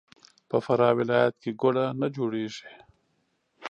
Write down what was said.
په فراه ولایت کې ګوړه نه جوړیږي.